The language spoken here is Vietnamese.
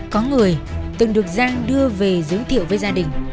có người từng được giang đưa về giới thiệu với gia đình